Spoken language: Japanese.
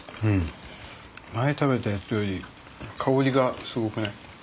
前食べたやつより香りがすごくない？